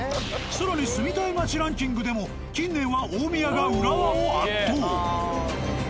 更に住みたい街ランキングでも近年は大宮が浦和を圧倒。